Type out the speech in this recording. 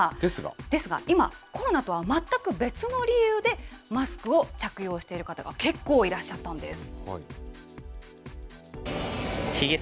ですが、今、コロナとは全く別の理由で、マスクを着用している方が結構いらっしゃったんです。